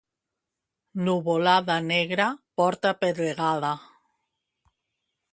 Nuvolada negra porta pedregada.